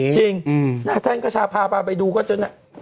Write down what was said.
จริงถ้าให้ได้กระชาพาพ่าไปดูก็ประมาณนี้